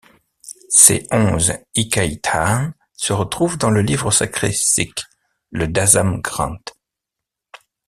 Ces onze Hikaitaan se retrouvent dans le livre sacré sikh: le Dasam Granth.